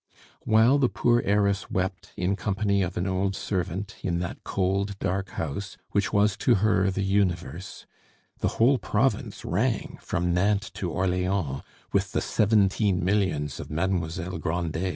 While the poor heiress wept in company of an old servant, in that cold dark house, which was to her the universe, the whole province rang, from Nantes to Orleans, with the seventeen millions of Mademoiselle Grandet.